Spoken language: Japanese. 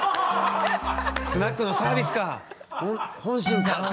スナックのサービスか本心かなって。